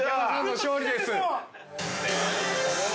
◆勝利です。